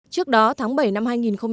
trước đó tháng bảy năm hai nghìn một mươi sáu